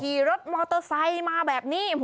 มาเต็มเลยขี่รถมอเตอร์ไซค์มาแบบนี้